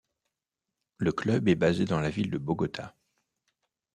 Le club est basé dans la ville de Bogota.